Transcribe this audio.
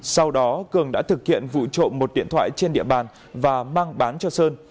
sau đó cường đã thực hiện vụ trộm một điện thoại trên địa bàn và mang bán cho sơn